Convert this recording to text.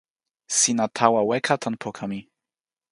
sina tawa weka tan poka mi.